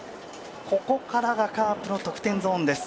ここからがカープの得点ゾーンです。